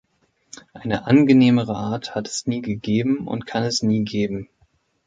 Eine angenehmere Art hat es nie gegeben und kann es nie geben.